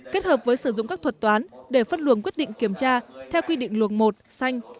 kết hợp với sử dụng các thuật toán để phân luồng quyết định kiểm tra theo quy định luồng một xanh